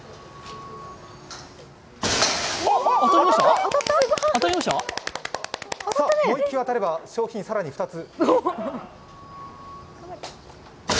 もう１球当たれば商品更に２つ。